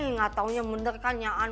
eh gak taunya bener kan